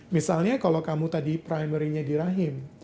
misalnya kalau kamu tadi primary nya di rahim